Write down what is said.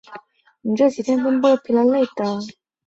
这些标志能够被带入随后的分支及算术指令中。